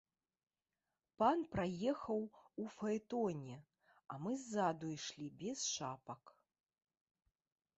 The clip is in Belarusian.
Пан праехаў у фаэтоне, а мы ззаду ішлі без шапак.